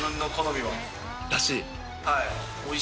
はい。